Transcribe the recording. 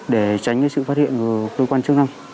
để tránh sự phát hiện của cơ quan chức năng